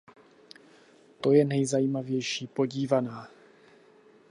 To je nejzajímavější podívaná.